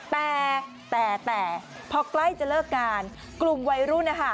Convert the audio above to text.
แต่แต่แต่พอใกล้จะเลิกงานกลุ่มวัยรุ่นนะคะ